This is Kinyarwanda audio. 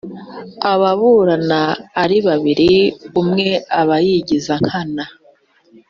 ababurana aribabiri umwe abayigizankana.